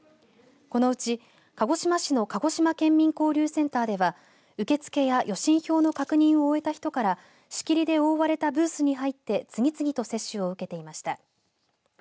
このうち鹿児島市のかごしま県民交流センターでは受け付けや予診票の確認を終えた人から仕切りで覆われたブースに入って次々と接種を受けていました。